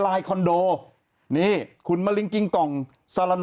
บางคนเปิดเสียงสวดมนต์สู้เขาว่างั้น